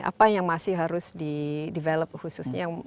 apa yang masih harus di develop khususnya